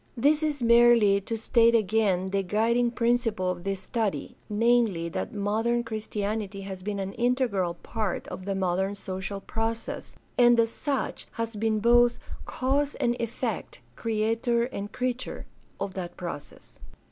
This is merely to state again the guiding principle of this study, namely, that modern Christianity has been an integral part of the modern social process, and as such has been both cause and effect, creator and creature, of that process.